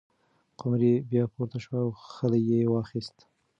قمري بیا پورته شوه او خلی یې واخیست.